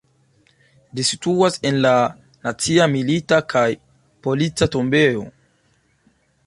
Ĝi situas en la Nacia Milita kaj Polica Tombejo.